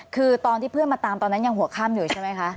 คือตอนที่เพื่อนมาตามตอนนั้นยังหัวค่ำอยู่ใช่ไหมคะ